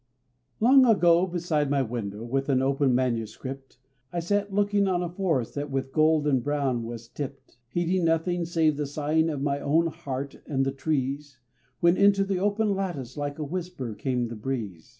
Long ago beside my window, with an open manuscript, I sat looking on a forest that with gold and brown was tipped, Heeding nothing save the sighing of my own heart and the trees, When into the open lattice like a whisper came the breeze.